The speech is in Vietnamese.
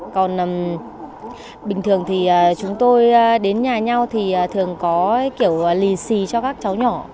còn bình thường thì chúng tôi đến nhà nhau thì thường có kiểu lì xì cho các cháu nhỏ